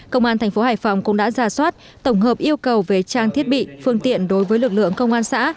công an thành phố hải phòng cũng đã ra soát tổng hợp yêu cầu về trang thiết bị phương tiện đối với lực lượng công an xã